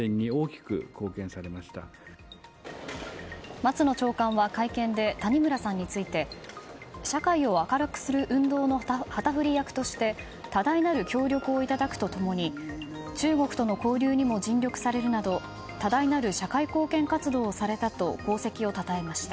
松野長官は会見で谷村さんについて社会を明るくする運動の旗振り役として多大なる協力をいただくと共に中国との交流にも尽力されるなど多大なる社会貢献活動をされたと功績をたたえました。